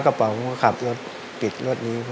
พ่อผมจะช่วยพ่อผมจะช่วยพ่อผมจะช่วย